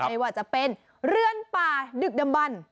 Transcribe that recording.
ไม่ว่าจะเป็นเรือนป่าดึกดำบัน